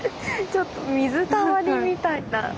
ちょっと水たまりみたいになってる。